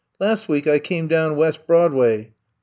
Las ' week I came down Wes' Broadway.